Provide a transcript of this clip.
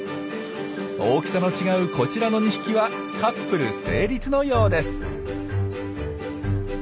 大きさの違うこちらの２匹はカップル成立のようです。